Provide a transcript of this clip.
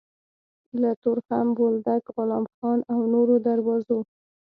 له تورخم، بولدک، غلام خان او نورو دروازو